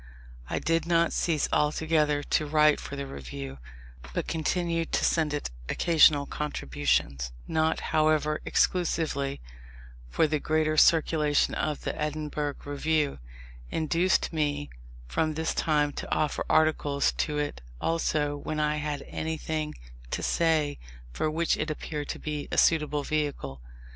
I did not cease altogether to write for the Review, but continued to send it occasional contributions, not, however, exclusively; for the greater circulation of the Edinburgh Review induced me from this time to offer articles to it also when I had anything to say for which it appeared to be a suitable vehicle.